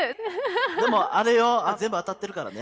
でもあれよ全部当たってるからね。